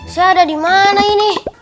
saya ada dimana ini